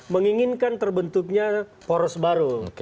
menginginkan terbentuknya poros baru